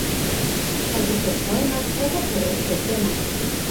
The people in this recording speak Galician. Algún dos poemas trata sobre estes temas.